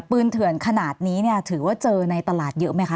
เถื่อนขนาดนี้เนี่ยถือว่าเจอในตลาดเยอะไหมคะ